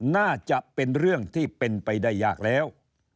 น่าจะเป็นเรื่องที่เป็นไปได้ยากแล้ว